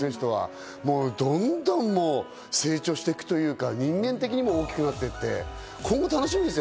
どんどん成長していくというか、人間的にも大きくなっていって、今後が楽しみです。